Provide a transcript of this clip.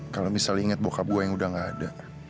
kalo misal inget bokap gue yang udah gak ada